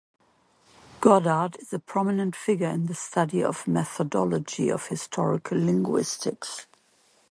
Goddard is a prominent figure in the study of the methodology of historical linguistics.